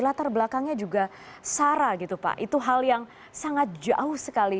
latar belakangnya juga sara gitu pak itu hal yang sangat jauh sekali